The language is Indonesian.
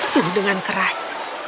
dan jatuh dengan keras